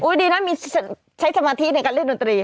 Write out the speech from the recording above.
ดีนะมีใช้สมาธิในการเล่นดนตรี